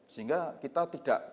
sehingga kita tidak